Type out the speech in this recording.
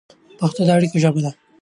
پښتو د اړیکو ژبه ده.